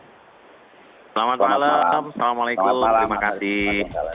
selamat malam assalamualaikum terima kasih